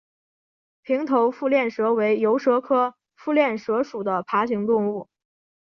平头腹链蛇为游蛇科腹链蛇属的爬行动物。